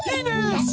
よし！